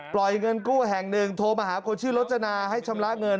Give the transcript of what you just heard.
เงินกู้แห่งหนึ่งโทรมาหาคนชื่อลจนาให้ชำระเงิน